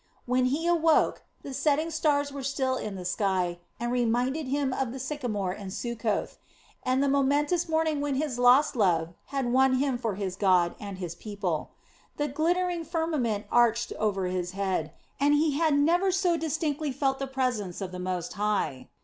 When he awoke the setting stars were still in the sky and reminded him of the sycamore in Succoth, and the momentous morning when his lost love had won him for his God and his people. The glittering firmament arched over his head, and he had never so distinctly felt the presence of the Most High.